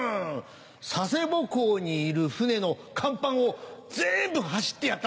佐世保港にいる船の甲板をぜんぶ走ってやったぜ。